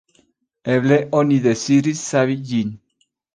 Eble oni deziris savi ĝin.